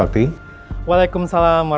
assalamualaikum warahmatullahi wabarakatuh